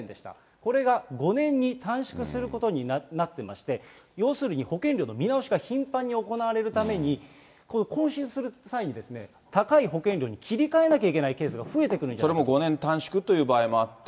これが５年に短縮することになってまして、要するに保険料の見直しが頻繁に行われるために、こういう更新する際に、高い保険料に切り替えなきゃいけないケースが増えてくるんじゃなそれも５年短縮という場合もあって、